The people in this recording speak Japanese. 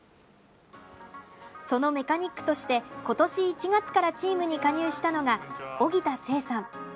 そのメカニックとして今年１月からチームに加入したのが荻田晴さん。